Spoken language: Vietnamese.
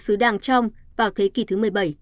xứ đảng trong vào thế kỷ thứ một mươi bảy